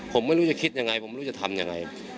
ผมไม่รู้จะคิดยังไงผมไม่รู้จะทำยังไง